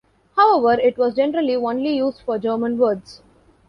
However, it was generally only used for German words.